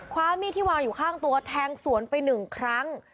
ความมีดที่วางอยู่ข้างตัวแทงสวนไปหนึ่งครั้ง